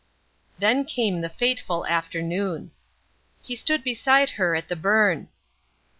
Then came the fateful afternoon. He stood beside her at the burn.